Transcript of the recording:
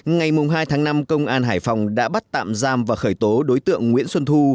ngày hai tháng năm công an hải phòng đã bắt tạm giam và khởi tố đối tượng nguyễn xuân thu